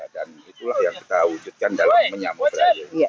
dan itulah yang kita wujudkan dalam menyambut raya